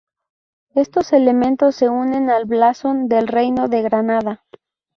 Estos elementos se unen al blasón del Reino de Granada.